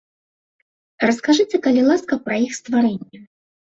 Раскажыце, калі ласка, пра іх стварэнне.